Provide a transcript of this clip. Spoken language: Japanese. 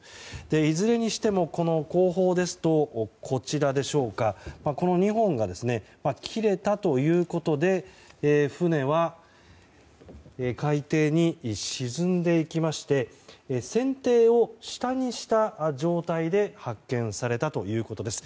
いずれにしても、この後方ですとこの２本が切れたということで船は海底に沈んでいきまして船底を下にした状態で発見されたということです。